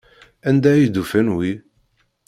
Anda ay d-ufan wi?